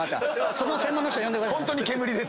その専門の人呼んでくれたら。